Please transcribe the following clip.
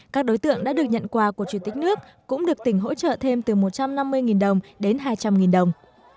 các đối tượng đã được nhận quà của chủ tịch nước cũng được tỉnh hỗ trợ thêm từ một trăm năm mươi đồng đến hai trăm linh đồng